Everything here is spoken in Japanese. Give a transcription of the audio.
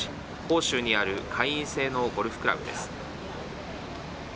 広州にある会員制のゴルフクラブです。